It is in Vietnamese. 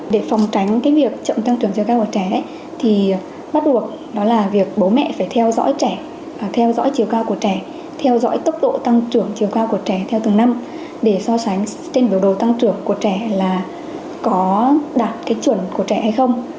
để phòng tránh việc chậm tăng trưởng chiều cao của trẻ thì bắt buộc đó là việc bố mẹ phải theo dõi trẻ theo dõi chiều cao của trẻ theo dõi tốc độ tăng trưởng chiều cao của trẻ theo từng năm để so sánh trên biểu đồ tăng trưởng của trẻ là có đạt cái chuẩn của trẻ hay không